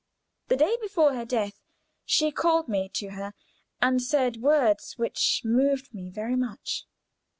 The day before her death she called me to her, and said words which moved me very much.